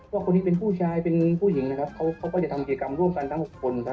ก็คนนี้เป็นผู้ชายเป็นผู้หญิงนะครับเขาก็จะทำกิจกรรมร่วมกันทั้ง๖คนครับ